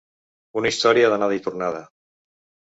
Una història d’anada i tornada.